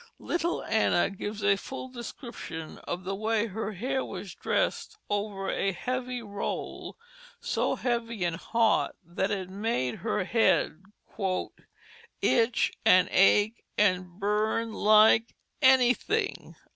Little Anna gives a full description of the way her hair was dressed over a high roll, so heavy and hot that it made her head "itch & ach & burn like anything."